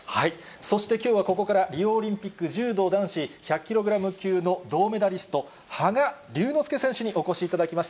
そしてきょうはここからリオオリンピック柔道男子、１００キログラム級の銅メダリスト、羽賀龍之介選手にお越しいただきました。